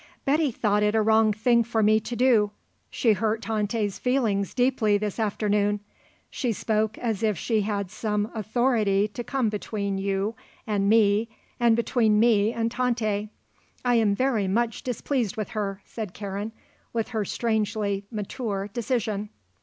"Betty thought it a wrong thing for me to do. She hurt Tante's feelings deeply this afternoon. She spoke as if she had some authority to come between you and me and between me and Tante. I am very much displeased with her," said Karen, with her strangely mature decision.